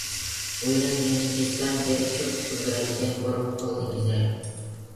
Uylanganingizdan beri ko`p kutdiradigan bo`lib qoldingiz-a